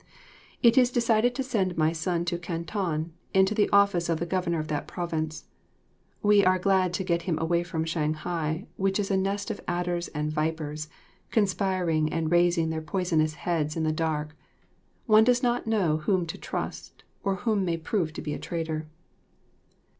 It is decided to send my son to Canton, into the office of the governor of that province. We are glad to get him away from Shanghai, which is a nest of adders and vipers, conspiring and raising their poisonous heads in the dark. One does not know whom to trust, or who may prove to be a traitor.